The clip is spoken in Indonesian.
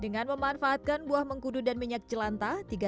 dengan memanfaatkan buah mengkudu dan minyak jelanta